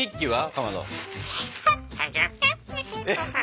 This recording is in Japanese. かまど。